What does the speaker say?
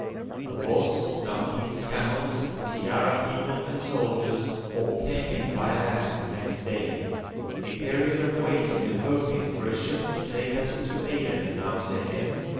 The horse, donkeys, camels, siyara people, and soldiers all came in by land next day. A period of waiting and hoping for a ship to take us to Aden now set in.